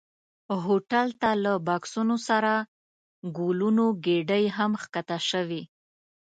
هوټل ته له بکسونو سره ګلونو ګېدۍ هم ښکته شوې.